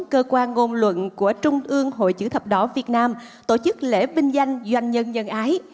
cơ quan ngôn luận của trung ương hội chữ thập đỏ việt nam tổ chức lễ vinh danh doanh nhân nhân ái